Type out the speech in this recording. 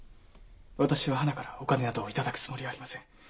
私ははなからお金など頂くつもりはありません。